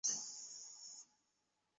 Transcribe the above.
শূন্য ধাবিত হয় অসীমের দিকে।